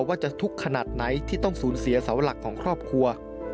ว่าจะทุกข์ขนาดไหนที่ต้องสูญเสียเสาหลักของครอบครัว